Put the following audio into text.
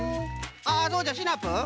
ああそうじゃシナプー。